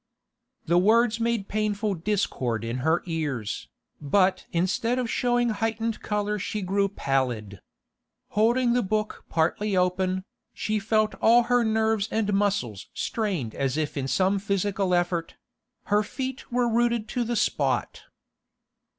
The words made painful discord in her ears, but instead of showing heightened colour she grew pallid. Holding the book partly open, she felt all her nerves and muscles strained as if in some physical effort; her feet were rooted to the spot.